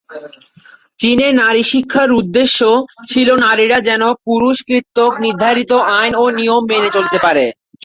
চীনে নারী শিক্ষার উদ্দেশ্য ছিল নারীরা যেন পুরুষ কর্তৃক নির্ধারিত আইন ও নিয়ম মেনে চলতে পারে।